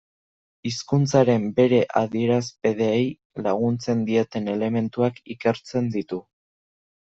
Hizkuntzaren bere adierazpideei laguntzen dieten elementuak ikertzen ditu.